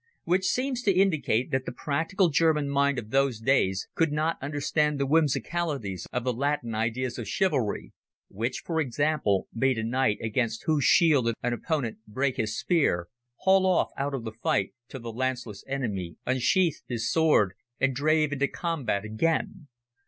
Which seems to indicate that the practical German mind of those days could not understand the whimsicalities of the Latin ideas of chivalry, which for example bade a knight against whose shield an opponent "brake his spear" haul off out of the fight till the lance less enemy unsheathed his sword and "drave into the combat" again.